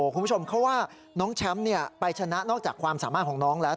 คุณผู้ชมเขาว่าน้องแชมป์ไปชนะนอกจากความสามารถของน้องแล้ว